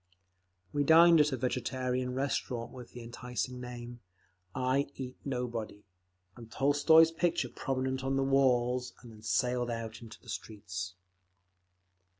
We dined at a vegetarian restaurant with the enticing name, "I Eat Nobody," and Tolstoy's picture prominent on the walls, and then sallied out into the streets.